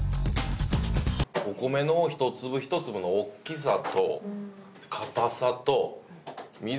お米の一粒一粒の大きさと硬さとみずみずしさ